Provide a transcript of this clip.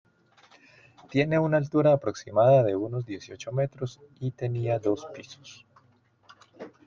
Tiene una altura aproximada de unos dieciocho metros y tenía dos pisos.